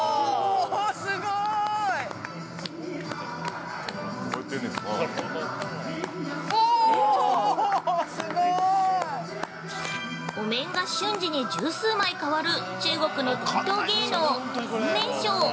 すごい！◆お面が瞬時に十数枚変わる中国の伝統芸能、変面ショー。